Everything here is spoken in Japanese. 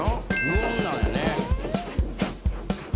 無音なんやね。